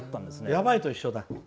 「やばい」と一緒だ。